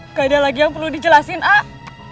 nggak ada lagi yang perlu dijelasin ah